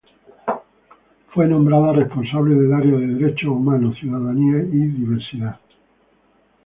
Fue nombrada responsable del área de Derechos Humanos, Ciudadanía y Diversidad.